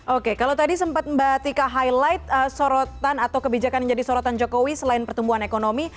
oke kalau tadi sempat mbak tika highlight sorotan atau kebijakan yang jadi sorotan jokowi selain pertumbuhan ekonomi